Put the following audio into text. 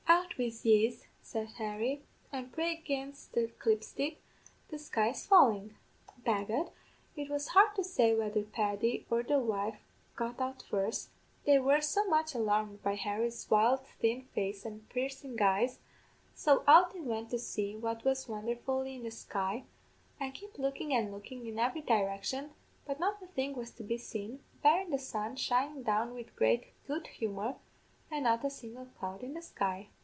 "'Out wid yez,' said Harry, 'an' pray aginst the clipstick the sky's fallin'!' "Begad, it was hard to say whether Paddy or the wife got out first, they were so much alarmed by Harry's wild thin face an' piercin' eyes; so out they went to see what was wondherful in the sky, an' kep' lookin' an' lookin' in every direction, but not a thing was to be seen, barrin' the sun shinin' down wid great good humour, an' not a single cloud in the sky.